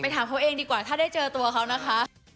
ถามเขาเองดีกว่าถ้าได้เจอตัวเขานะคะ